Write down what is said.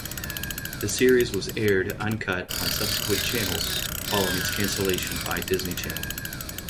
The series was aired uncut on subsequent channels following its cancellation by Disney Channel.